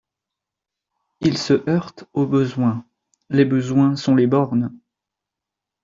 Il se heurte aux besoins. Les besoins sont les bornes.